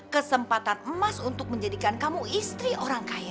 kesempatan emas untuk menjadikan kamu istri orang kaya